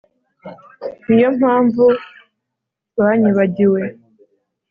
Ni yo mpamvu banyibagiwe